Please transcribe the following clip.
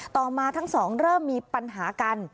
ต่อมาทั้งสองเริ่มมีปัญหากัน